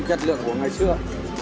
đúng với chất lượng của ngày xưa